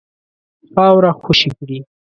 خاوره خوشي کړي.